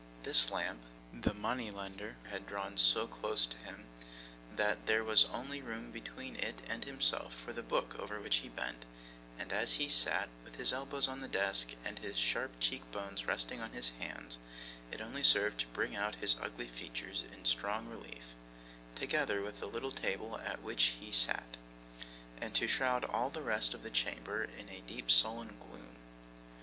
This lamp the money lender had drawn so close to him, that there was only room between it and himself for the book over which he bent; and as he sat, with his elbows on the desk, and his sharp cheek bones resting on his hands, it only served to bring out his ugly features in strong relief, together with the little table at which he sat, and to shroud all the rest of the chamber in a deep sullen gloom.